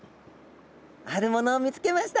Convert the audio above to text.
あるものを見つけました。